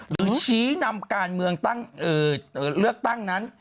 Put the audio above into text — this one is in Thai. หรือชี้นำการเมืองตั้งเลือกตั้งนั้น